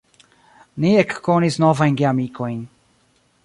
Ni ekkonis novajn geamikojn.